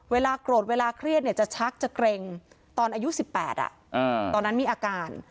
เวลาโกรธเวลาเครียดจะชักจะเกร็งตอนอายุ๑๘ตอนนั้นมีอาการ